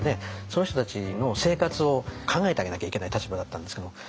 その人たちの生活を考えてあげなきゃいけない立場だったんですけども。